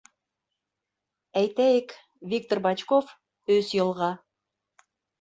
Әйтәйек, Виктор Бочков — өс йылға.